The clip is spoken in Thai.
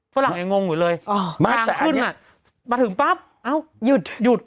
ฝรั่งยังงงอยู่เลยทางขึ้นน่ะมาถึงปั๊บเอ้าหยุด